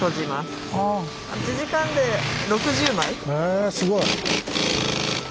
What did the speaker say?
へえすごい！